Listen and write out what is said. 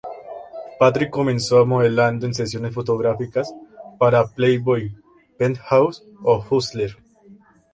Patrick comenzó modelando en sesiones fotográficas para "Playboy", "Penthouse" o "Hustler".